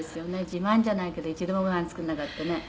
自慢じゃないけど一度もご飯作らなくてね」